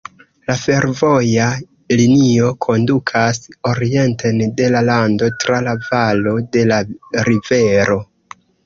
La fervoja linio kondukas orienten de la lando tra la valo de la rivero.